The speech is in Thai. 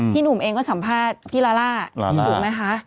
พี่หนุ่มเองก็สัมภาษณ์พี่ลาล่า